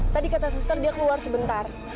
tadi kata suster dia keluar sebentar